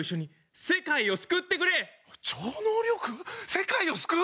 世界を救う？